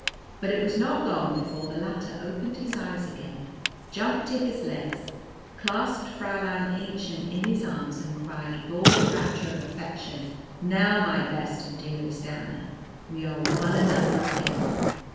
But it was not long before the latter opened his eyes again, jumped to his legs, clasped Fräulein Aennchen in his arms, and cried, with all the rapture of affection, "Now, my best and dearest Anna, we are one another again."